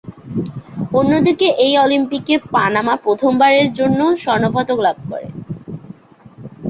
অন্যদিকে, এই অলিম্পিকে পানামা প্রথমবারের জন্য স্বর্ণ পদক লাভ করে।